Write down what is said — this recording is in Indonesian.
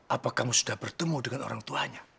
apa kamu sudah bertemu dengan orang tuanya